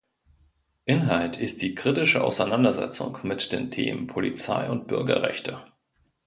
Inhalt ist die kritische Auseinandersetzung mit den Themen Polizei und Bürgerrechte.